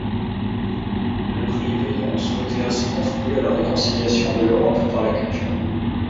Le prix Veillon souhaitait ainsi contribuer à la réconciliation de l’Europe par la culture.